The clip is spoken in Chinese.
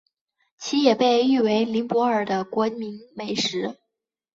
其也被誉为尼泊尔的国民美食。